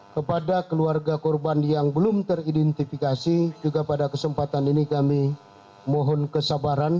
kepada keluarga korban yang belum teridentifikasi juga pada kesempatan ini kami mohon kesabaran